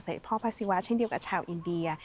พ่อพระศิวะเช่นเดียวกับชาวอินเดีย